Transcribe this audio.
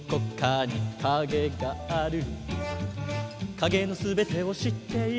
「影の全てを知っている」